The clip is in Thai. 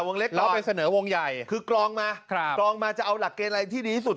วงเล็กก่อนแล้วไปเสนอวงใหญ่คือกรองมาครับกรองมาจะเอาหลักเกณฑ์อะไรที่ดีสุด